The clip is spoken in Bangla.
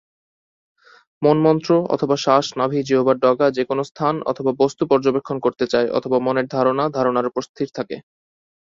মন মন্ত্র, অথবা শ্বাস/নাভি/জিহ্বার ডগা/যেকোন স্থান, অথবা বস্তু পর্যবেক্ষণ করতে চায়, অথবা মনের ধারণা/ধারণার উপর স্থির থাকে।